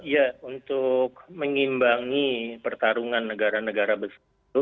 ya untuk mengimbangi pertarungan negara negara besar itu